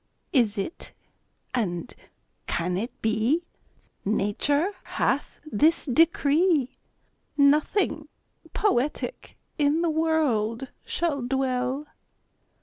Is it, and can it be, Nature hath this decree, Nothing poetic in the world shall dwell?